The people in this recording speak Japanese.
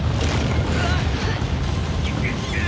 うわっ！